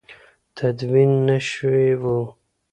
تدوین نه شوي وو.